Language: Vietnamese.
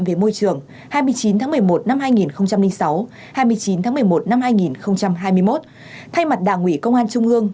về môi trường hai mươi chín tháng một mươi một năm hai nghìn sáu hai mươi chín tháng một mươi một năm hai nghìn hai mươi một thay mặt đảng ủy công an trung ương